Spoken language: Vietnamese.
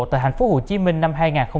tại tp hcm năm hai nghìn hai mươi ba